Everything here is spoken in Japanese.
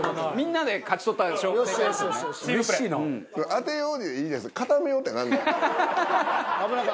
「当てよう」でいいじゃないですか。